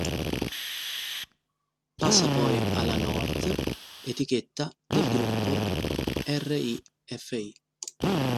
Passa poi alla North, etichetta del gruppo Ri-Fi.